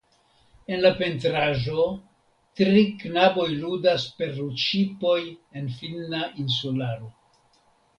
En la pentraĵo tri knaboj ludas per ludŝipoj en finna insularo.